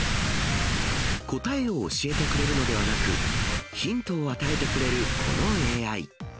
答えを教えてくれるのではなく、ヒントを与えてくれるこのＡＩ。